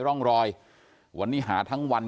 ร่องรอยวันนี้หาทั้งวัน